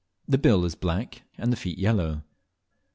The bill is black and the feet yellow.